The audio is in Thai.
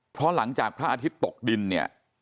เพราะหลังจากพระอาทิตย์ตกดินเนี่ย